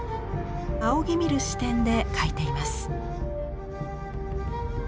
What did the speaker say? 仰ぎ見る視点で描いています。